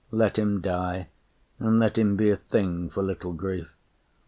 Let him die, And let him be a thing for little grief.